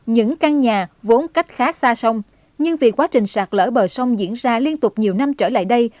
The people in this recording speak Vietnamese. những căn nhà vốn cách khá xa sông nhưng vì quá trình sạt lỡ bờ sông diễn ra liên tục nhiều năm trở lại đây